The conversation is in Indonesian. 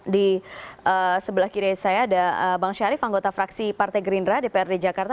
di sebelah kiri saya ada bang syarif anggota fraksi partai gerindra dprd jakarta